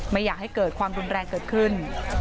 ไม่อยากให้เกิดความรุนแรงเกิดขึ้น